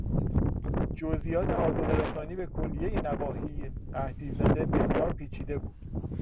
جزئیات آذوقه رسانی به کلیهی نواحی قحطی زده بسیار پیچیده بود.